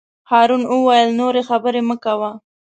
هارون وویل: نورې خبرې مه کوه.